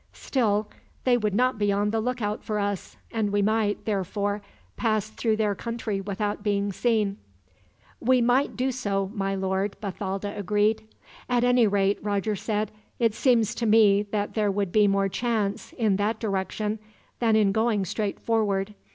"Still, they would not be on the lookout for us; and we might, therefore, pass through their country without being seen." "We might do so, my lord," Bathalda agreed. "At any rate," Roger said, "it seems to me that there would be more chance, in that direction, than in going straight forward.